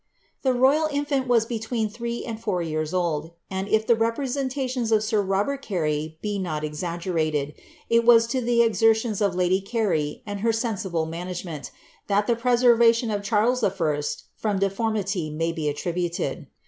9 royal infant was between three and four years old ; and, if the entations of sir Robert Carey be not exaggerated, it was to the ons of lady Carey, and to her sensible management, that the pre ion of Charles I. from deformity may be attributed.